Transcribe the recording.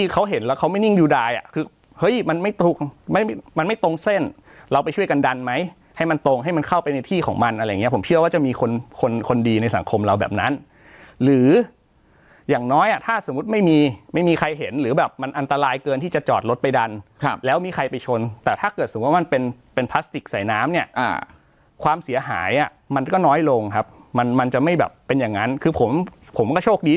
ของมันอะไรอย่างนี้ผมเชื่อว่าจะมีคนคนคนดีในสังคมเราแบบนั้นหรืออย่างน้อยอ่ะถ้าสมมุติไม่มีไม่มีใครเห็นหรือแบบมันอันตรายเกินที่จะจอดรถไปดันครับแล้วมีใครไปชนแต่ถ้าเกิดสมมุติว่ามันเป็นเป็นพลาสติกใส่น้ำเนี่ยอ่าความเสียหายอ่ะมันก็น้อยลงครับมันมันจะไม่แบบเป็นอย่างนั้นคือผมผมก็โช